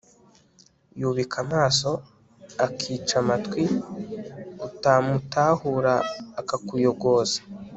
yubika amaso, akica amatwi utamutahura, akakuyogoza